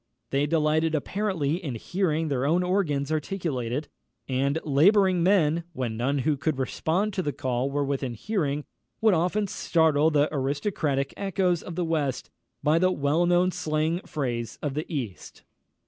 They delighted apparently in hearing their own organs articulate it; and labouring men, when none who could respond to the call were within hearing, would often startle the aristocratic echoes of the West by the well known slang phrase of the East.